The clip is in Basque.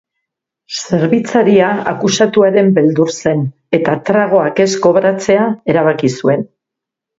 Zerbitzaria akusatuaren beldur zen eta tragoak ez kobratzea erabaki zuen.